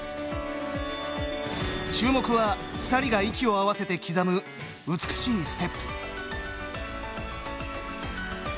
注目は２人が息を合わせて刻む美しいステップ。